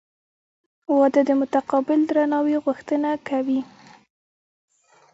• واده د متقابل درناوي غوښتنه کوي.